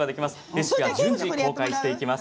レシピは順次公開していきます。